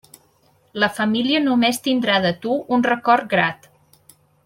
La família només tindrà de tu un record grat.